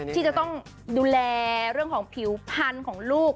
ที่จะต้องดูแลเรื่องของผิวพันธุ์ของลูก